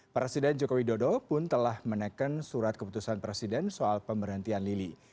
presiden joko widodo pun telah menekan surat keputusan presiden soal pemberhentian lili